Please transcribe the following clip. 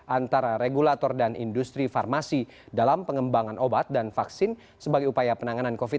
antara regulator dan industri farmasi dalam pengembangan obat dan vaksin sebagai upaya penanganan covid sembilan belas